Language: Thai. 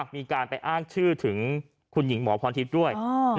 มีการไปอ้างชื่อถึงคุณหญิงหมอพรทิพย์ด้วย